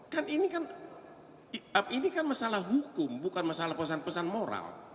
kan ini kan masalah hukum bukan masalah pesan pesan moral